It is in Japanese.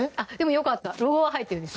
よかったロゴは入ってるんですね